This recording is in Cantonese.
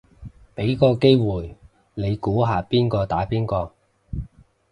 俾個機會你估下邊個打邊個